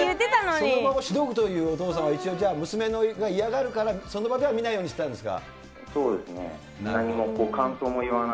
その場をしのぐという、娘が嫌がるから、その場では見ないようにしてたんですか。